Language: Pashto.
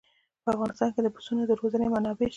په افغانستان کې د پسونو د روزنې منابع شته.